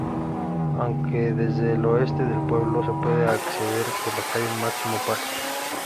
Aunque desde el oeste del pueblo, se puede acceder por la calle Máximo Paz.